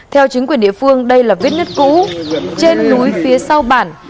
theo chính quyền địa phương đây là vết nứt cũ trên núi phía sau bản